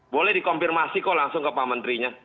boleh dikonfirmasi kok langsung ke pak menterinya